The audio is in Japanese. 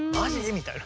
みたいな。